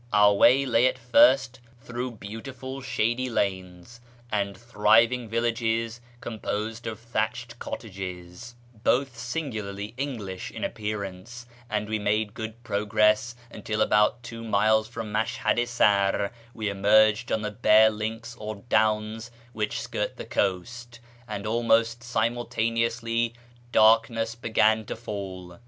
Our way lay at first through beautiful shady lanes, and thriving villages com posed of thatched cottages, both singularly English in appear ance ; and we made good progress until, about two miles from Mashhad i Sar, we emerged on the bare links or downs which skirt the coast, and almost simultaneously darkness began to fall.